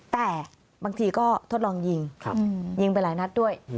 แต่บางทีก็ทดลองยิงยิงไปหลายนัดด้วย